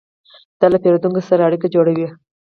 دا له پیرودونکو سره اړیکه جوړوي.